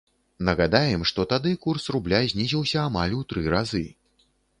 Нагадаем, што тады курс рубля знізіўся амаль у тры разы.